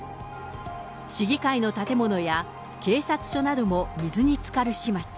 市議会の建物や、警察署なども水につかる始末。